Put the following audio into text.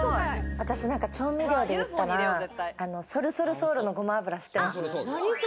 調味料で言ったら、ソルソルソウルのごま油知ってます？